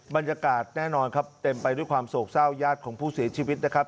บรรยากาศแน่นอนครับเต็มไปด้วยความโศกเศร้าญาติของผู้เสียชีวิตนะครับ